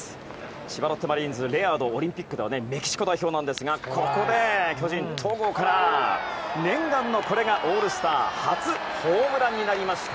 千葉ロッテマリーンズ、レアードオリンピックではメキシコ代表ですがここで巨人の戸郷から念願のオールスター初ホームランになりました。